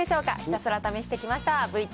ひたすら試してきました。